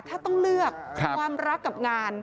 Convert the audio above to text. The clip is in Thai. ถ้าต้องเลือกความรักกับงาน